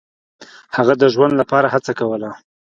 هغه د ژوند لپاره هڅه کوله.